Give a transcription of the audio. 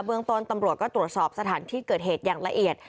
เมืองต้นตำรวจก็ตรวจสอบสถานที่เกิดเหตุอย่างละเอียด